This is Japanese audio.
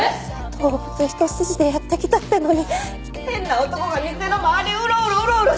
動物一筋でやってきたってのに変な男が店の周りうろうろうろうろして。